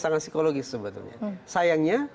sangat psikologis sebetulnya sayangnya